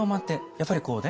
やっぱりこうね